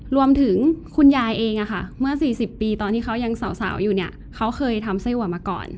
คุณยายเองเมื่อ๔๐ปีตอนที่เขายังสาวอยู่เนี่ยเขาเคยทำไส้อัวมาก่อน